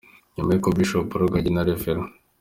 Nyuma y’uko Bishop Rugagi na Rev.